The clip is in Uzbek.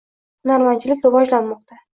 Hunarmandchilik rivojlanmoqda